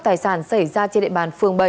tài sản xảy ra trên địa bàn phường bảy